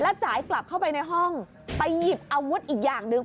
จ่ายกลับเข้าไปในห้องไปหยิบอาวุธอีกอย่างหนึ่ง